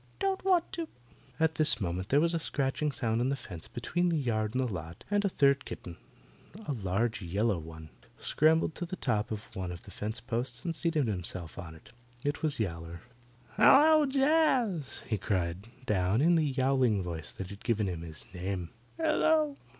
"Don't want to." At this moment there was a scratching sound on the fence between the yard and the lot, and a third kitten, a large yellow one, scrambled to the top of one of the fence posts and seated himself on it. It was Yowler. "Hello, Jaz!" he called down, in the yowling voice that had given him his name. "Hello!"